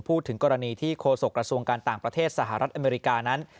พูดถึงกรณีที่โฆษกระทรวงการต่างประเทศสหรัฐอเมริกานั้น